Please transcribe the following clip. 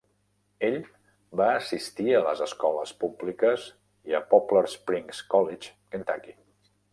Ell va assistir a les escoles públiques i a Poplar Springs College, Kentucky.